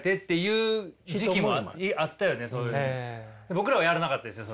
僕らはやらなかったですよ